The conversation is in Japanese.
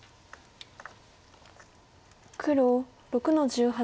黒６の十八。